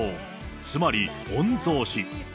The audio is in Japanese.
つまり御曹司。